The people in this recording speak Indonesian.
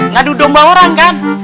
ngadu domba orang kan